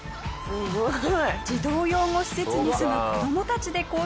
すごい。